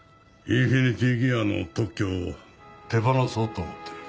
インフィニティギアの特許を手放そうと思ってる。